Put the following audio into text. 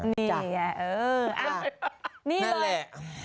นี่นี่แหละ